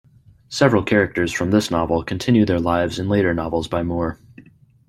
Several characters from this novel continue their lives in later novels by Moore.